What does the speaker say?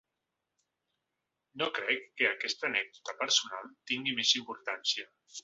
No crec que aquesta anècdota personal tingui més importància.